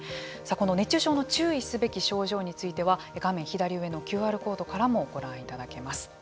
この熱中症の注意すべき症状については画面左上のＱＲコードからもご覧いただけます。